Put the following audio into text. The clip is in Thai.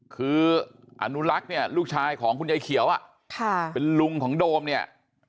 คืออนุรักษ์เนี่ยลูกชายของคุณยายเขียวเป็นลุงของโดมเนี่ย